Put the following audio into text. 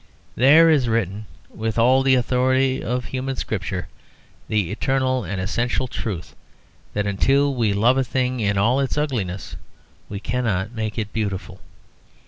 There is written, with all the authority of a human scripture, the eternal and essential truth that until we love a thing in all its ugliness we cannot make it beautiful.